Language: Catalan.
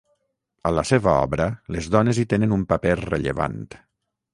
A la seva obra, les dones hi tenen un paper rellevant.